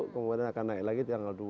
kemudian akan naik lagi tanggal dua